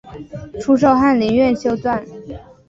初授翰林院修撰。